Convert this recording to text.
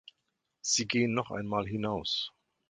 Sie gehen noch einmal hinaus.